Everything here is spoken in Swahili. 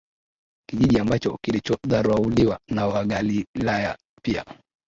Kijiji ambacho kilichodharauliwa na Wagalilaya pia